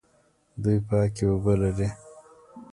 دوی پاکې اوبه لري.